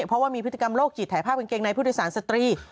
เพราะว่ามีพฤติกรรมโรคจิตถ่ายภาพเป็นเกงในพฤติสารสตรี